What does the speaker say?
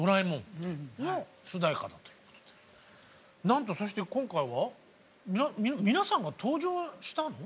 なんとそして今回は皆さんが登場したの？